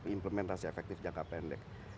implementasi efektif jangka pendek